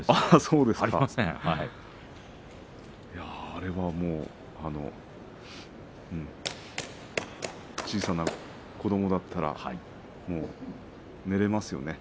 あれはもううん、小さな子どもだったら寝られますよね。